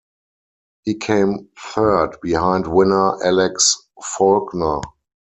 He came third behind winner Alex Faulkner.